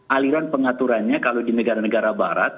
aliran pengaturannya kalau di negara negara barat